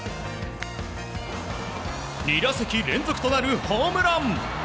２打席連続となるホームラン！